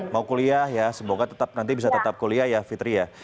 mau kuliah ya semoga tetap nanti bisa tetap kuliah ya fitri ya